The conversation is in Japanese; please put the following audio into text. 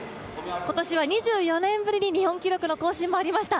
今年は２４年ぶりに日本記録の更新もありました。